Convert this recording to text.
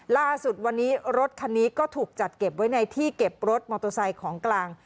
ล่าสุดวันนี้รถคันนี้ก็ถูกจัดเก็บไว้ในที่เก็บรถมอเตอร์ไซค์ของกลาง